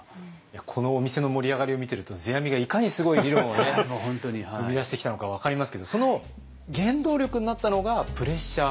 このお店の盛り上がりを見てると世阿弥がいかにすごい理論を生み出してきたのか分かりますけどその原動力になったのがプレッシャー。